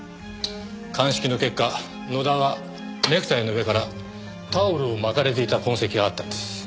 鑑識の結果野田はネクタイの上からタオルを巻かれていた痕跡があったんです。